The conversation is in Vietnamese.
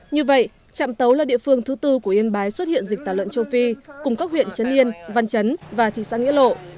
như vậy trạm tấu là địa phương thứ tư của yên bái xuất hiện dịch tả lợn châu phi cùng các huyện trấn yên văn chấn và thị xã nghĩa lộ